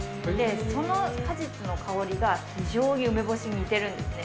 その果実の香りが、非常に梅干しに似てるんですね。